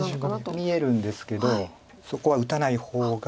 見えるんですけどそこは打たない方が。